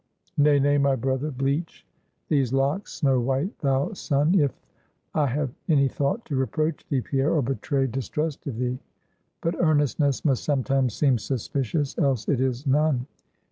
Nay, nay, my brother; bleach these locks snow white, thou sun! if I have any thought to reproach thee, Pierre, or betray distrust of thee. But earnestness must sometimes seem suspicious, else it is none.